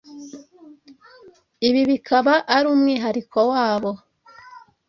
ibi bikaba ari umwihariko wabo